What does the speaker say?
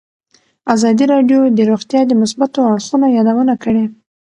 ازادي راډیو د روغتیا د مثبتو اړخونو یادونه کړې.